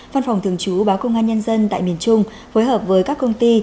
văn phòng thường chú báo công an nhân dân tại miền trung phối hợp với các công ty